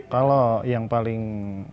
kalau yang paling